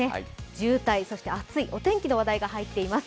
渋滞、そして暑い、お天気の話題が入っています。